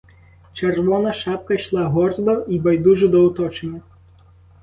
Червона шапка йшла гордо й байдужо до оточення.